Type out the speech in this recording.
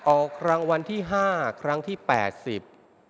ออกรางวัลที่ห้าครั้งที่แปดสิบ